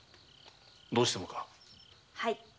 どうしてもか？